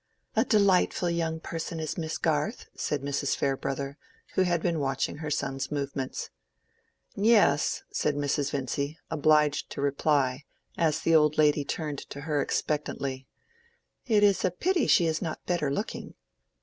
"A delightful young person is Miss Garth," said Mrs. Farebrother, who had been watching her son's movements. "Yes," said Mrs. Vincy, obliged to reply, as the old lady turned to her expectantly. "It is a pity she is not better looking."